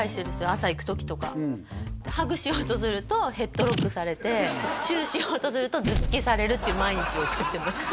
朝行く時とかうんでハグしようとするとヘッドロックされてチューしようとすると頭突きされるっていう毎日を送ってます